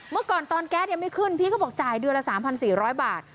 เมื่อก่อนตอนแก๊สยังไม่ขึ้นพี่ก็บอกจ่ายเดือนละ๓๔๐๐บาท